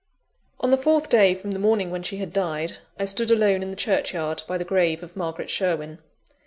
On the fourth day from the morning when she had died, I stood alone in the churchyard by the grave of Margaret Sherwin.